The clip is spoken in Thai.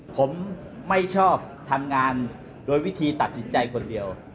ผมไม่ชอบทำงานโดยวิธีตัดสินใจคนเดียว